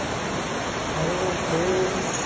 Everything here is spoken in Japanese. あれはどういう？